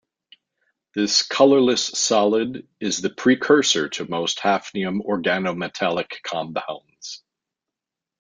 This colourless solid is the precursor to most hafnium organometallic compounds.